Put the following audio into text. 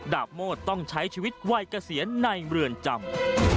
โมดต้องใช้ชีวิตวัยเกษียณในเรือนจำ